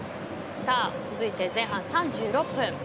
続いて、前半３６分。